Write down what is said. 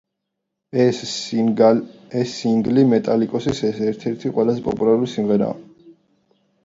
ეს სინგლი მეტალიკის ერთ-ერთი ყველაზე პოპულარული სიმღერაა.